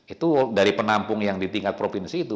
itu dari penampung yang di tingkat provinsi itu